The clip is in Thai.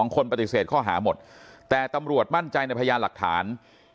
คนปฏิเสธข้อหาหมดแต่ตำรวจมั่นใจในพยานหลักฐาน